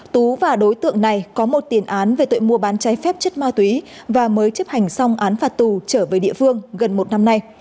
tú và đối tượng này có một tiền án về tội mua bán cháy phép chất ma túy và mới chấp hành xong án phạt tù trở về địa phương gần một năm nay